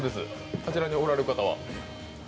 あちらにおられる方は？